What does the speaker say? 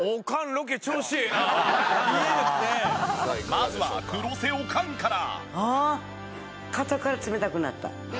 まずは黒瀬おかんから。